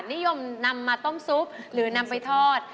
นิยมนำมาต้มซุปหรือนำไปทอด